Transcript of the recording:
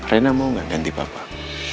rena mau gak ganti bapak